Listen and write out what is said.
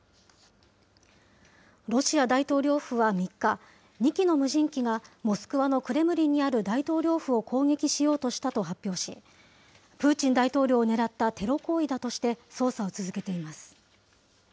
ロシア大統領府は３日、２機の無人機がモスクワのクレムリンにある大統領府を攻撃しようとしたと発表し、プーチン大統領を狙ったテロ行為だとして、捜査を続けています。